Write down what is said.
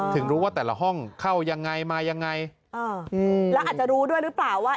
ถึงรู้ว่าแต่ละห้องเข้ายังไงมายังไงแล้วอาจจะรู้ด้วยหรือเปล่าว่า